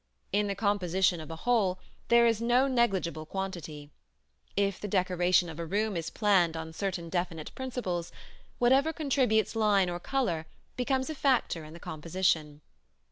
In the composition of a whole there is no negligible quantity: if the decoration of a room is planned on certain definite principles, whatever contributes line or color becomes a factor in the composition.